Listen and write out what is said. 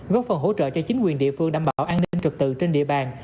góp phần hỗ trợ cho chính quyền địa phương đảm bảo an ninh trực tự trên địa bàn